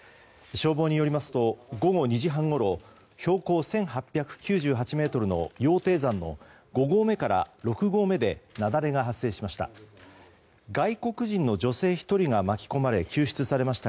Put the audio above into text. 消防によりますと午後２時半ごろ標高１８９８ｍの羊蹄山の５合目から６合目で雪崩が発生しました。